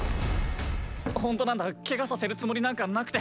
本当なんだケガさせるつもりなんかなくて。